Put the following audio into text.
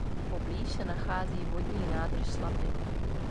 Poblíž se nachází vodní nádrž Slapy.